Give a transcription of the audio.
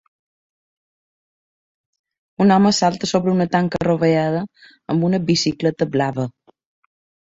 Un home salta sobre una tanca rovellada amb una bicicleta blava.